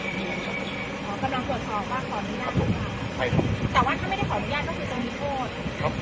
ถ้าไม่ได้ขออนุญาตมันคือจะมีโทษ